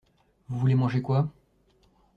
Vous voulez manger quoi?